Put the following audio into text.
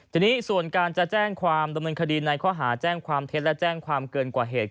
ทีนี้ส่วนการจะแจ้งความดำเนินคดีในข้อหาแจ้งความเท็จและแจ้งความเกินกว่าเหตุ